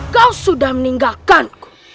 kau sudah meninggalkanku